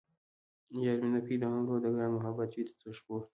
یار مې نه کئ د عمرو ـ د ګران محبت وئ د څو شپو